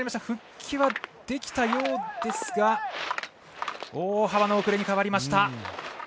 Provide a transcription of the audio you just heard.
復帰はできたようですが大幅な遅れに変わりました。